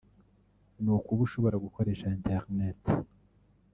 ni ukuba ushobora gukoresha internet